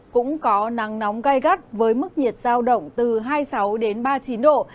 cũng có nắng nóng gai gắt với mức nhiệt giao động từ hai mươi sáu đến ba mươi chín độ